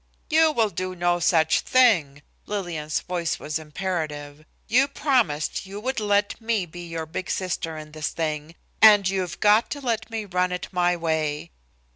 "You will do no such thing." Lillian's voice was imperative. "You promised you would let me be your big sister in this thing, and you've got to let me run it my way!"